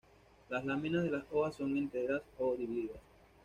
Las láminas de las hojas son enteras o divididas.